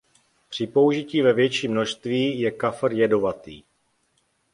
Při požití ve větším množství je kafr jedovatý.